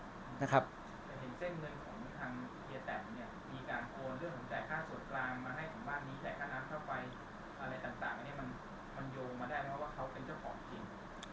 แต่เห็นเส้นเงินของทางเฮียแตมเนี่ยมีการโอนเรื่องของจ่ายค่าส่วนกลางมาให้ถึงบ้านนี้จ่ายค่าน้ำค่าไฟอะไรต่างมันโยงมาได้ไหมว่าเขาเป็นเจ้าของจริง